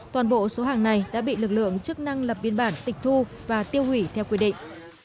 toàn bộ số hàng này đã bị lực lượng chức năng lập biên bản tịch thu và tiêu hủy theo quy định